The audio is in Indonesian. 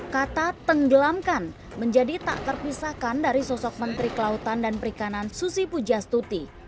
kata tenggelamkan menjadi tak terpisahkan dari sosok menteri kelautan dan perikanan susi pujastuti